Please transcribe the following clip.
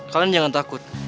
kalian jangan takut